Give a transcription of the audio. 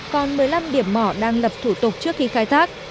còn một mươi năm điểm mỏ đang lập thủ tục trước khi khai thác